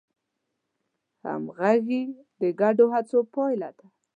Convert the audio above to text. همغږي د ګډو هڅو پایله ده.